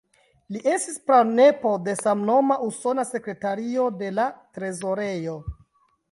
Li estis pranepo de samnoma Usona Sekretario de la Trezorejo.